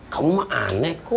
kamu mah aneh kom